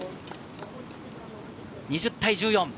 ２０対１４。